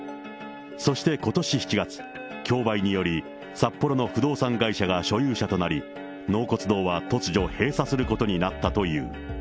そしてことし７月、競売により、札幌の不動産会社が所有者となり、納骨堂は突如、閉鎖することになったという。